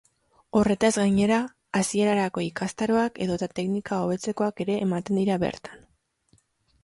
Horretaz gainera, hasierarako ikastaroak edota teknika hobetzekoak ere ematen dira bertan.